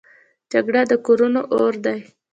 جګړه د کورونو اور دی